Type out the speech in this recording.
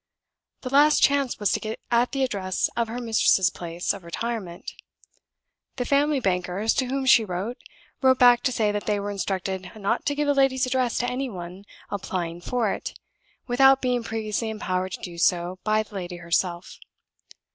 The last chance was to get at the address of her mistress's place of retirement. The family bankers, to whom she wrote, wrote back to say that they were instructed not to give the lady's address to any one applying for it, without being previously empowered to do so by the lady herself.